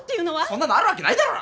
そんなのあるわけないだろ！